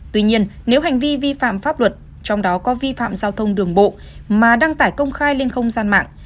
tuy nhiên nếu hành vi vi phạm pháp luật trong đó có vi phạm giao thông đường bộ mà đăng tải công khai lên không gian mạng